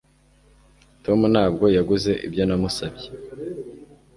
Tom ntabwo yaguze ibyo namusabye